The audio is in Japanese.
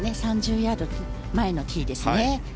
３０ヤード前のティーですね。